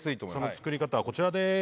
作り方はこちらです。